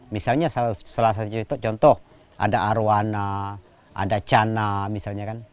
misalnya salah satu contoh ada arowana ada cana misalnya kan